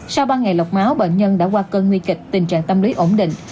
sau ba ngày lọc máu bệnh nhân đã qua cơn nguy kịch tình trạng tâm lý ổn định